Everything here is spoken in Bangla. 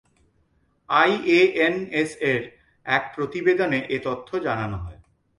আইএএনএসের এক প্রতিবেদনে এ তথ্য জানানো হয়।